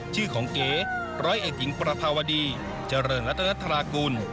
ชื่อของเก๋ร้อยเอกหญิงประภาวดีเจริญรัตนธรากุล